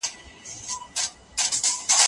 د دلارام بازار ته له لیري ولسوالیو څخه خلک راځي